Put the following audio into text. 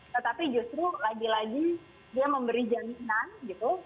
tetapi justru lagi lagi dia memberi jaminan gitu